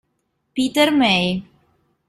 Peter May